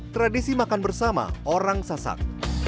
tradisi makan bersama orang sasak